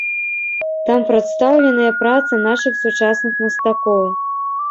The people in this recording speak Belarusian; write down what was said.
Там прадстаўленыя працы нашых сучасных мастакоў.